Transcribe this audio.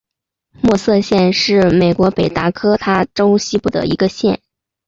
默瑟县是美国北达科他州西部的一个县。